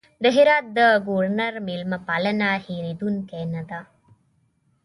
د هرات د ګورنر مېلمه پالنه هېرېدونکې نه ده.